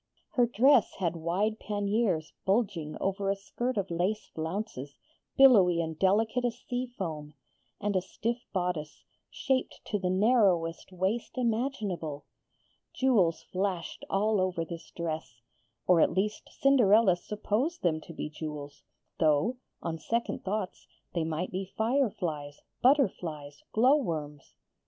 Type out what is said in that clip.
Her dress had wide panniers bulging over a skirt of lace flounces, billowy and delicate as sea foam, and a stiff bodice, shaped to the narrowest waist imaginable. Jewels flashed all over this dress or at least Cinderella supposed them to be jewels, though, on second thoughts, they might be fireflies, butterflies, glowworms.